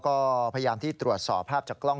พวกเขาไม่ได้ใส่อะไรบังเลย